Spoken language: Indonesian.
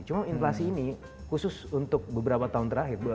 cuma inflasi ini khusus untuk beberapa tahun terakhir